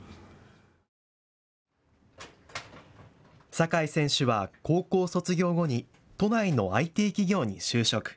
酒井選手は高校卒業後に都内のＩＴ企業に就職。